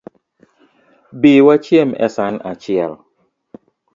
Bi wachiem e san achiel